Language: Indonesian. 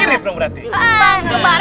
mirip dong berarti